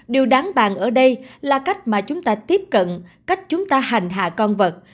điều đáng bàn ở đây là cách mà chúng ta tiếp cận cách chúng ta hành hạ con vật